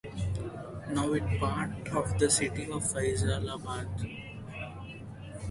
Now it part of the city of Faisalabad.